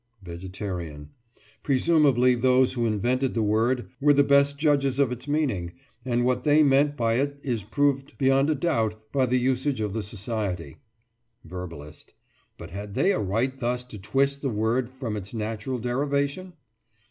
VEGETARIAN: Presumably those who invented the word were the best judges of its meaning, and what they meant by it is proved beyond a doubt by the usage of the Society. VERBALIST: But had they a right thus to twist the word from its natural derivation?